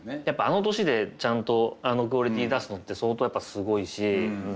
やっぱあの年でちゃんとあのクオリティー出すのって相当やっぱすごいし。